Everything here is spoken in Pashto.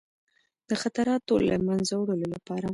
د خطراتو له منځه وړلو لپاره.